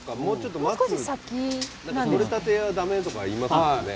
とれたては駄目とか言いますもんね。